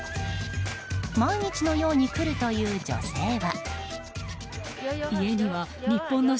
毎日のように来るという女性は。